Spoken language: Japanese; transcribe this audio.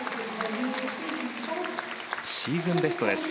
シーズンベストです。